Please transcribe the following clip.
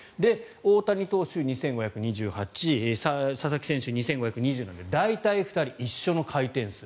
大谷投手、２５２８佐々木選手、２５２０なので大体２人、一緒の回転数。